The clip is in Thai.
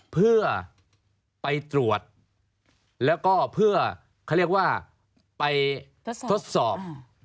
เพื่อไปตรวจแล้วก็เพื่อเขาเรียกว่าไปทดสอบ